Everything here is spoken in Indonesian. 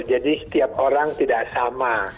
jadi setiap orang tidak sama